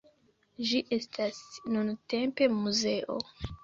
Ĝi estas nuntempe muzeo.